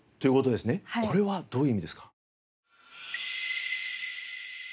これはどういう意味ですか？